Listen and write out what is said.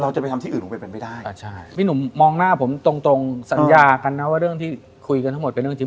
จะไปทำที่อื่นลงไปเป็นไม่ได้อ่าใช่พี่หนุ่มมองหน้าผมตรงตรงสัญญากันนะว่าเรื่องที่คุยกันทั้งหมดเป็นเรื่องจริง